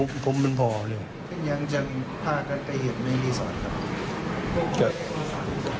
นี่ยังจะมีรายผ้ากับใครเห็นนี้ที่สอน